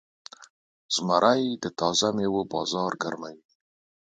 زمری د تازه میوو بازار ګرموي.